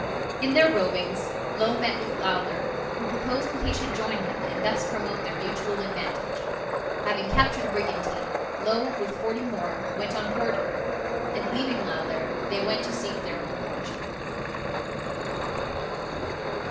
In their rovings, Low met with Lowther, who proposed that he should join him, and thus promote their mutual advantage. Having captured a brigantine, Low, with forty more, went on board her; and leaving Lowther, they went to seek their own fortune.